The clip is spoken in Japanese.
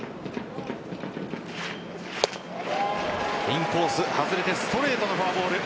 インコース外れてストレートのフォアボール。